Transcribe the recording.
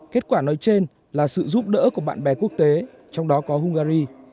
kết quả nói trên là sự giúp đỡ của bạn bè quốc tế trong đó có hungary